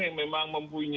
yang memang mempunyai ingin